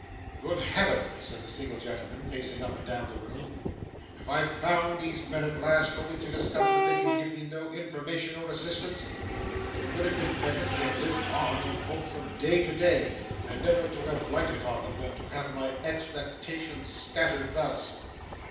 'Good Heaven!' said the single gentleman, pacing up and down the room, 'have I found these men at last, only to discover that they can give me no information or assistance! It would have been better to have lived on, in hope, from day to day, and never to have lighted on them, than to have my expectations scattered thus.